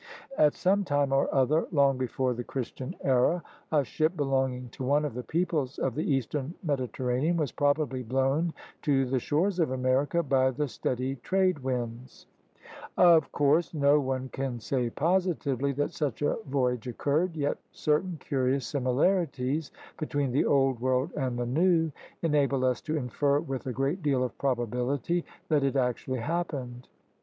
At some time or other, long before the Christian era, a ship belonging to one of the peoples of the eastern Mediterranean was probably blown to the shores of America by the steady trade winds. Of 32 THE RED MAN'S CONTINENT course, no one can say positively that such a voyage occurred. Yet certain curious similarities between the Old World and the New enable us to infer with a great deal of probability that it actually hap pened.